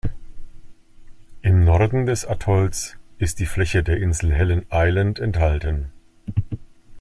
Im Norden des Atolls ist die Fläche der Insel Helen Island enthalten.